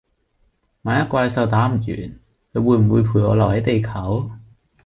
萬一怪獸打唔完，你會不會陪我留係地球？